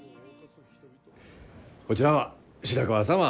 こちらは白川様。